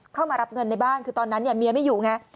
เข้ามารับเงินในบ้านคือตอนนั้นเมียไม่อยู่ไง